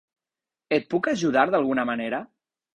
Et puc ajudar d'alguna manera?